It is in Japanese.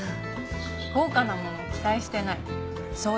高価なもの期待してない。